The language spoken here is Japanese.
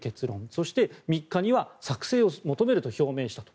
そして、３日には作成を求めると表明したと。